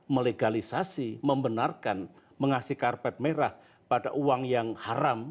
melegalisasi membenarkan mengasih karpet merah pada uang yang haram